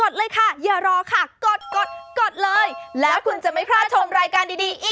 สู้แล้วกันนะคะ